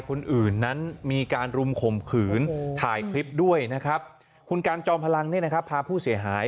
คนอื่นนั้นมีการรุมข่มขืนถ่ายคลิปด้วยนะครับคุณการจอมพลังเนี่ยนะครับพาผู้เสียหาย